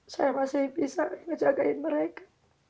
saya masih bisa ngejagain mereka